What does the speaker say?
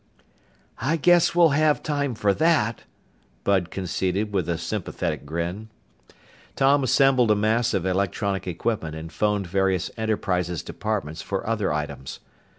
"I guess we'll have time for that," Bud conceded with a sympathetic grin. Tom assembled a mass of electronic equipment and phoned various Enterprises' departments for other items.